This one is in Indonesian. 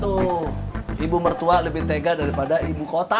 tuh ibu mertua lebih tega daripada ibu kota